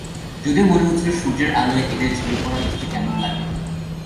যদিও মনে হচ্ছিল সূর্যের আলোয় এদের ঝরে পড়া দেখতে কেমন লাগে।